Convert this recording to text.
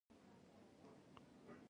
سلیمان غر د ښځو په ژوند کې دي.